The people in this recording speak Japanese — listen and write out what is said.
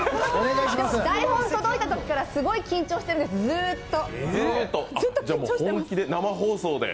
台本届いたときからすごい緊張してるんです、ずっと。